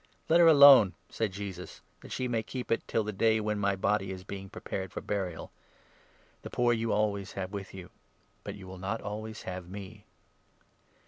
"Let her alone," said Jesus, "that she may keep it 7 till the day when .my body is being prepared for burial. The 8 poor you always have with you, but you will not always have me."